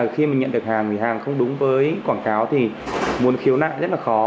khi mình nhận được hàng hàng không đúng với quảng cáo thì muốn khiếu nạn rất là khó